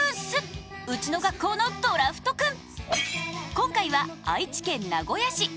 今回は愛知県名古屋市。